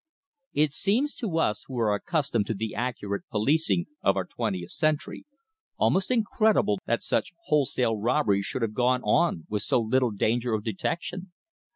It seems to us who are accustomed to the accurate policing of our twentieth century, almost incredible that such wholesale robberies should have gone on with so little danger of detection.